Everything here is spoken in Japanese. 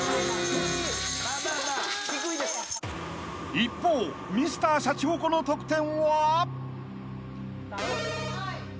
［一方Ｍｒ．シャチホコの得点は？］